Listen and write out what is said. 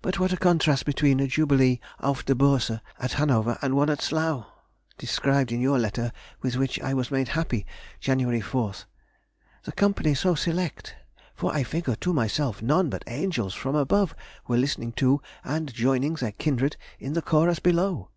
But what a contrast between a jubilee auf der Börse at Hanover and the one at Slough, described in your letter with which I was made happy January 4th. The company so select—for I figure to myself none but angels from above were listening to, and joining their kindred in the chorus below!...